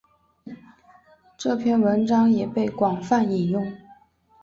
这篇文章也被广泛引用。